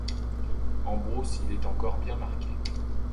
En brousse, il est encore bien marqué.